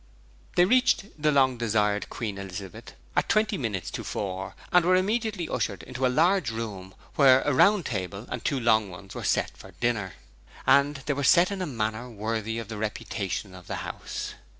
They reached the long desired Queen Elizabeth at twenty minutes to four, and were immediately ushered into a large room where a round table and two long ones were set for dinner and they were set in a manner worthy of the reputation of the house.